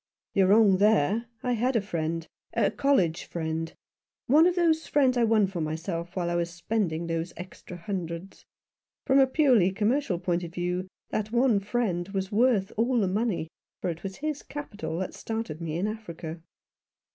" You're wrong there. I had a friend — a college friend ; one of the friends I won for myself while I was spending those extra hundreds. From a purely commercial point of view that one friend was worth all the money, for it was his capital that started me in Africa."